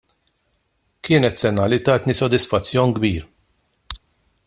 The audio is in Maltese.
Kienet sena li tatni sodisfazzjon kbir.